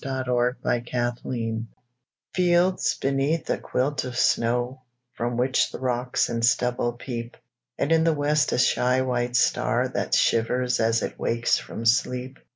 IN THE TRAIN FIELDS beneath a quilt of snow From which the rocks and stubble peep, And in the west a shy white star That shivers as it wakes from sleep.